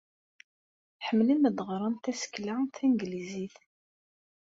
Ḥemmlen ad ɣren tasekla tanglizit.